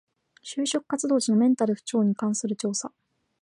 就職活動時のメンタル不調に関する調査